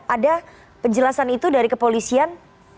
ada penjelasan itu dari kepolisian